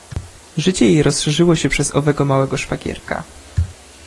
Życie jej rozszerzyło się przez owego małego szwagierka.